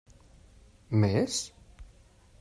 Més?